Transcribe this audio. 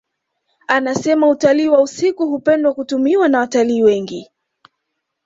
Anasema utalii wa usiku hupendwa kutumiwa na watalii wengi